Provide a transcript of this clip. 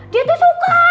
dia tuh suka